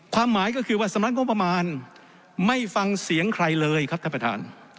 หมายก็คือว่าสำนักงบประมาณไม่ฟังเสียงใครเลยครับท่านประธาน